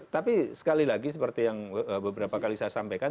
tapi sekali lagi seperti yang beberapa kali saya sampaikan